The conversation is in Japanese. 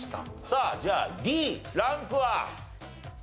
さあじゃあＤランクは？